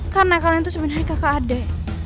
karena kalian tuh sebenernya kakak adek